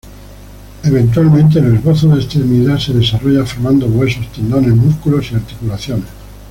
Eventualmente, el esbozo de extremidad se desarrolla formando huesos, tendones, músculos y articulaciones.